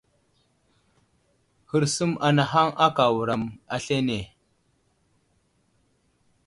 Hərsum anahaŋ aka wuram aslane.